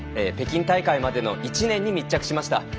北京大会までの１年に密着しました。